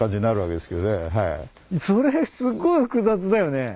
それすごい複雑だよね。